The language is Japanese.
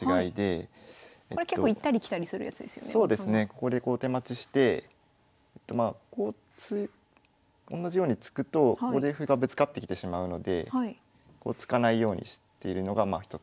ここでこう手待ちしてまあこうおんなじように突くとここで歩がぶつかってきてしまうのでこう突かないようにしてるのがひとつ工夫ですね。